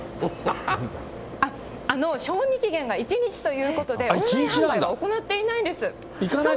賞味期限が１日ということで、通信販売は行っていないんです。